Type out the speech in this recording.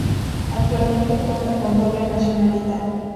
Actualmente cuenta con doble nacionalidad.